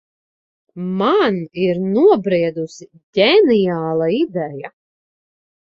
Man ir nobriedusi ģeniāla ideja.